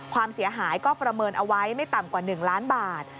ความเสียหายก็ประเมินเอาไว้ไม่ต่ำกว่า๑ล้านบาท